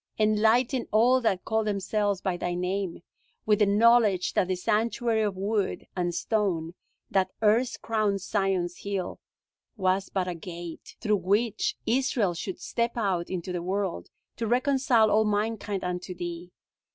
Enlighten all that call themselves by Thy name with the knowledge that the sanctuary of wood and stone, that erst crowned Zion's hill, was but a gate, through which Israel should step out into the world, to reconcile all mankind unto Thee!